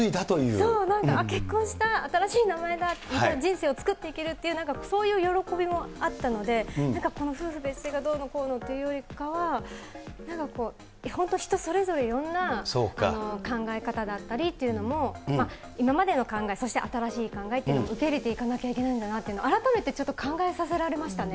そう、なんか結婚した、新しい名前だ、人生を作っていけるという、そういう喜びもあったので、この夫婦別姓がどうのこうのっていうよりかは、本当人それぞれいろんな考え方だったりっていうのも、今までの考え、そして新しい考えっていうのも受け入れていかなきゃいけないんだなっていうのを改めてちょっと考えさせられましたね。